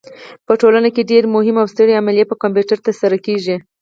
په ټوله نړۍ کې ډېرې مهمې او سترې عملیې په کمپیوټر ترسره کېږي.